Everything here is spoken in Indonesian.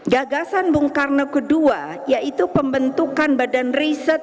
gagasan bung karne kedua yaitu pembentukan badan riset